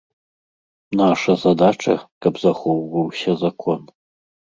Наша задача, каб захоўваўся закон.